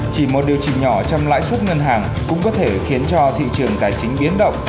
chỉ một điều chỉnh nhỏ trong lãi suất ngân hàng cũng có thể khiến cho thị trường tài chính biến động